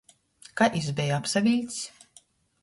Kai jis beja apsaviļcs?